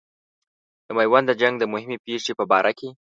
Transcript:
د میوند د جنګ د مهمې پیښې په باره کې.